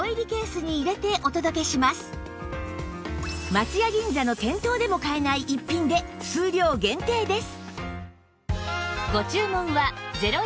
松屋銀座の店頭でも買えない逸品で数量限定です